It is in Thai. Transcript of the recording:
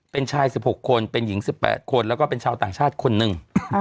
เป็นชาย๑๖คนเป็นหญิง๑๘คนแล้วก็เป็นชาวต่างชาติคนหนึ่ง